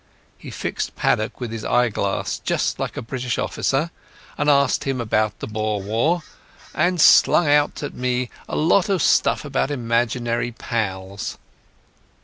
He fixed Paddock with his eyeglass, just like a British officer, asked him about the Boer War, and slung out at me a lot of stuff about imaginary pals.